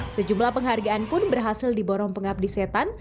sejumlah penghargaan pun berhasil diborong pengabdi setan